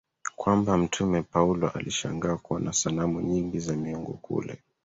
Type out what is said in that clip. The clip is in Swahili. kwamba Mtume Paulo alishangaa kuona sanamu nyingi za miungu kule